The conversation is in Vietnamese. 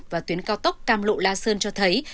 và tuyến cao tốc cam lộ la sơn cho thấy